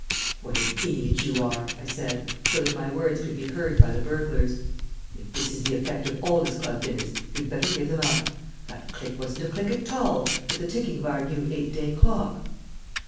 "What an idiot you are," I said, so that my words could be heard by the burglars. "If this is the effect of Aldus Club dinners you'd better give them up. That click wasn't a click at all, but the ticking of our new eight day clock."